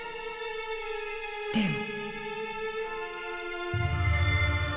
でも。